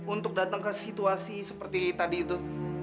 untuk datang ke situasi seperti tadi itu